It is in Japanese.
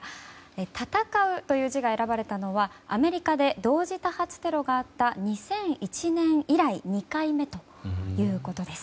「戦」という字が選ばれたのはアメリカで同時多発テロがあった２００１年以来２回目ということです。